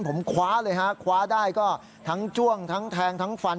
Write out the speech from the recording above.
ผมคว้าเลยฮะคว้าได้ก็ทั้งจ้วงทั้งแทงทั้งฟัน